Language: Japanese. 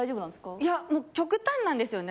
いや極端なんですよね。